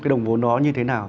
cái đồng vốn đó như thế nào